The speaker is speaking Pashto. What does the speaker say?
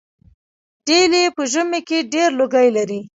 ډیلي په ژمي کې ډیر لوګی لري.